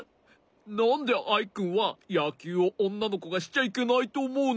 なんでアイくんはやきゅうをおんなのこがしちゃいけないとおもうの？